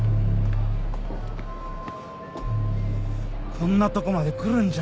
こんなとこまで来るんじゃねえよ。